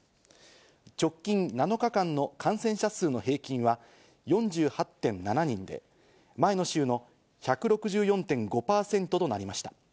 直近７日間の感染者数の平均は４８．７人で、前の週の１６４．５％となりました。